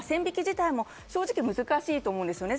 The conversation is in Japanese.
線引き自体も正直難しいと思うんです。